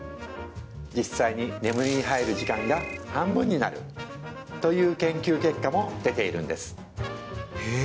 実際に眠りに入る時間が半分になるという研究結果も出ているんですへえ